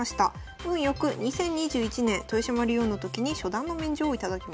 運良く２０２１年豊島竜王の時に初段の免状を頂きました。